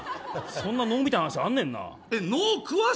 そんな能みたいな話あんねんな。